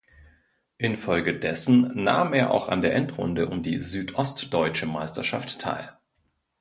Infolgedessen nahm er auch an der Endrunde um die Südostdeutsche Meisterschaft teil.